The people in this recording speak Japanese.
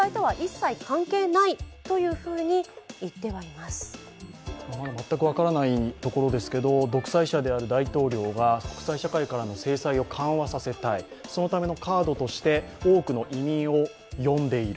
まだ全く分からないところですけれども、独裁者である大統領が国際社会からの制裁を緩和させたい、そのためのカードとして多くの移民を呼んでいる。